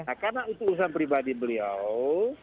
nah karena itu urusan pribadi beliau